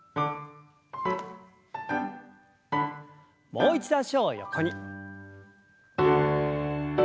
もう一度脚を横に。